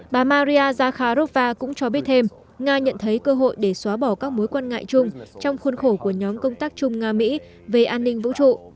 bà maria zakharova cũng cho biết thêm nga nhận thấy cơ hội để xóa bỏ các mối quan ngại chung trong khuôn khổ của nhóm công tác chung nga mỹ về an ninh vũ trụ